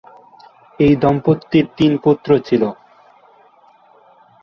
এই দম্পতির তিন পুত্র ছিল।